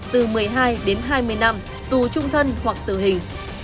từ một mươi hai đến hai mươi năm tù trung thân hoặc tử hình